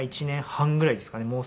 １年半ぐらいですかね